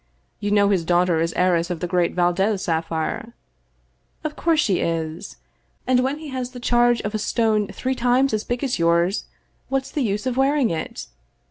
You know his daughter is heiress of the great Valdez sapphire "" Of course she is, and when he has the charge of a stone three times as big as yours, what's the use of wearing it?